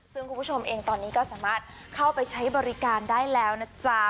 ซึ่งคุณผู้ชมเองตอนนี้ก็สามารถเข้าไปใช้บริการได้แล้วนะจ๊ะ